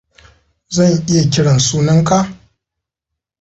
Zan iya kiran sunanka?